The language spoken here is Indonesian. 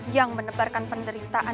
yang menebarkan penderitaan